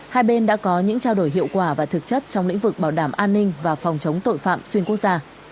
hai bên đã có những trao đổi hiệu quả và thực chất trong lĩnh vực bảo đảm an ninh và phòng chống tội phạm xuyên quốc gia